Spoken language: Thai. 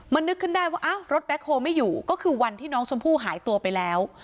มันนึกขึ้นได้ว่าอ้าวรถแบ็คโฮลไม่อยู่ก็คือวันที่น้องชมพู่หายตัวไปแล้ว